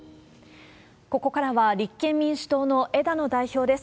ここからは立憲民主党の枝野代表です。